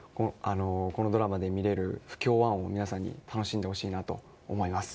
このドラマでみえる不協和音を皆さんに楽しんでもらいたいと思います。